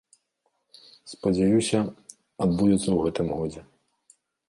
Спадзяюся, адбудзецца ў гэтым годзе.